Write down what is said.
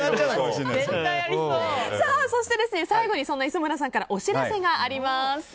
そして、最後に磯村さんからお知らせがあります。